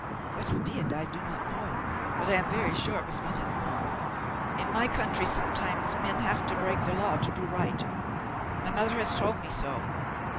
"What he did I do not know, but I am very sure it was nothing wrong. In my country sometimes men have to break the law to do right; my mother has told me so.